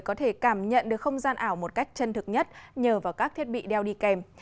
có thể cảm nhận được không gian ảo một cách chân thực nhất nhờ vào các thiết bị đeo đi kèm